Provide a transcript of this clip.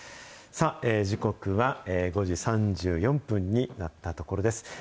さあ、時刻は５時３４分になったところです。